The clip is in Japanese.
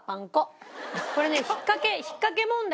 これね引っかけ。